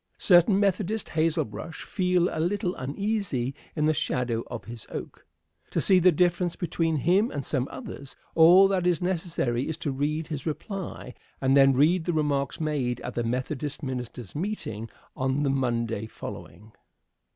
Certain Methodist hazel brush feel a little uneasy in the shadow of this oak. To see the difference between him and some others, all that is necessary is to read his reply, and then read the remarks made at the Methodist ministers' meeting on the Monday following.